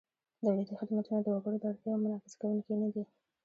دولتي خدمتونه د وګړو د اړتیاوو منعکس کوونکي نهدي.